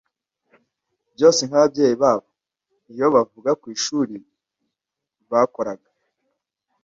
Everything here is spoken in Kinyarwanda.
byose nk’ababyeyi babo. Iyo bavaga ku ishuri bakoraga